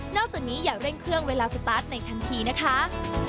จากนี้อย่าเร่งเครื่องเวลาสตาร์ทในทันทีนะคะ